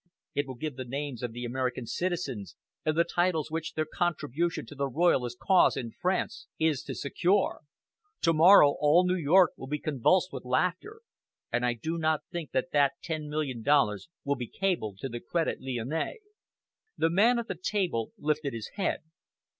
It will give the names of the American citizens, and the titles which their contribution to the Royalist cause in France is to secure. To morrow, all New York will be convulsed with laughter and I do not think that that ten million dollars will be cabled to the Credit Lyonnais." The man at the table lifted his head.